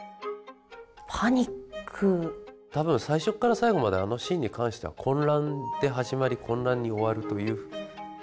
多分最初から最後まであのシーンに関しては混乱で始まり混乱に終わるという。